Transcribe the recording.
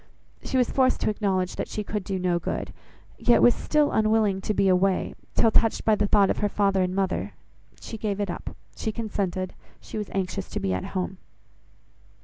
She was forced to acknowledge that she could do no good, yet was still unwilling to be away, till, touched by the thought of her father and mother, she gave it up; she consented, she was anxious to be at home.